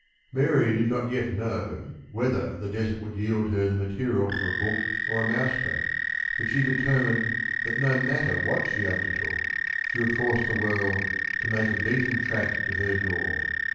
Mary did not yet know whether the desert would yield her the material for a book or a mouse trap, but she determined that no matter what she undertook, she would force the world to "make a beaten track to her door."